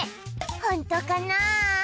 ホントかな？